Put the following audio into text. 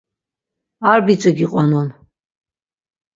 Ar biç̌i giqonun.